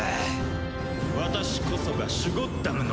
私こそがシュゴッダムの王。